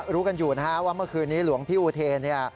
รู้กันอยู่นะฮะว่าเมื่อคืนนี้หลวงพี่อุเทนเนี่ย